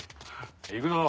行くぞ。